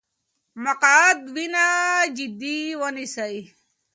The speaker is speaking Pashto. مقعد وینه جدي ونیسئ.